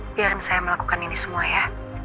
biarkan saya melakukan ini semua ya